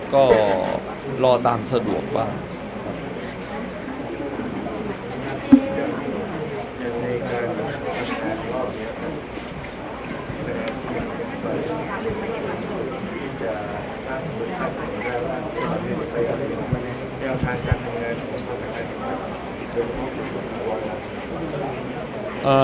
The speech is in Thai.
สุดท้ายที่มีเว